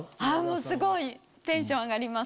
すごいテンション上がります。